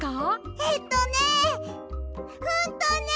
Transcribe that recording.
えっとねえんとねえ。